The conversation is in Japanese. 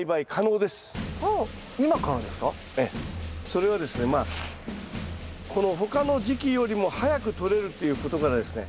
それはですねまあこの他の時期よりも早くとれるっていうことからですね